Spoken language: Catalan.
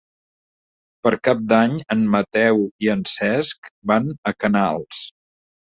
Per Cap d'Any en Mateu i en Cesc van a Canals.